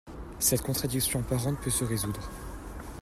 Cette contradiction apparente peut se résoudre.